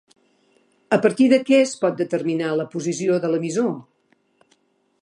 A partir de què es pot determinar la posició de l'emissor?